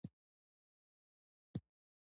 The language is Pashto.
بې ځایه سختول د ژبې خدمت نه بلکې خیانت دی.